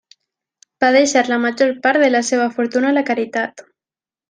Va deixar la major part de la seva fortuna a la caritat.